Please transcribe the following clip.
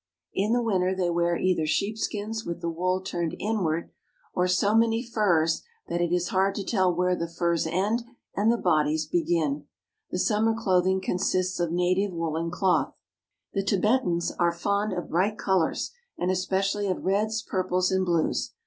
In the winter they wear either sheepskins with the wool turned inward, or so many furs that it is hard to tell where the furs end and the bodies begin. The summer clothing con sists of native woolen cloth. The Tibetans are fond of " Both men and women wear boots of red or yellow leather — bright colors, and especially of reds, purples, and blues.